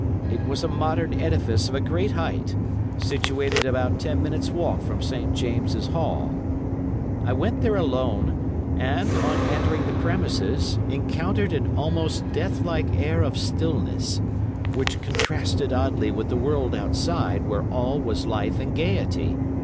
It was a modern edifice of a great height, situated about ten minutes walk from St. James' Hall. I went there alone, and, on entering the premises, encountered an almost death like air of stillness, which contrasted oddly with the world outside, where all was life and gaiety.